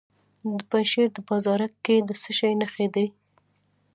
د پنجشیر په بازارک کې د څه شي نښې دي؟